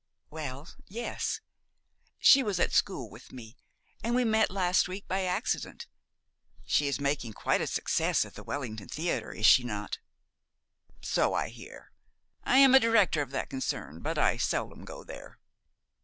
"Well yes. She was at school with me, and we met last week by accident. She is making quite a success at the Wellington Theater, is she not?" "So I hear. I am a director of that concern; but I seldom go there."